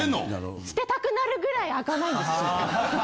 捨てたくなるぐらい開かないんです。